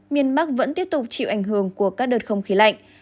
miền bắc vẫn tiếp tục chịu ảnh hưởng của các đợt không khí lạnh